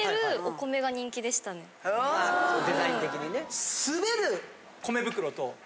デザイン的にね。